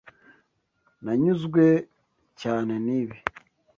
Nanyuzwe cyane nibi.